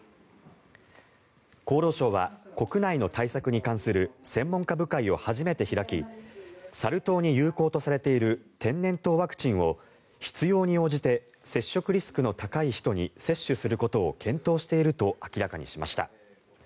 厚労省は国内の対策に関する専門家部会を初めて開きサル痘に有効とされている天然痘ワクチンを必要に応じて接触リスクの高い人に接種することを検討していると明らかにしました。